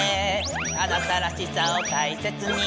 「あなたらしさをたいせつに」